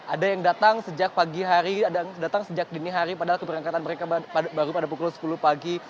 ada yang datang sejak pagi hari ada yang datang sejak dini hari padahal keberangkatan mereka baru pada pukul sepuluh pagi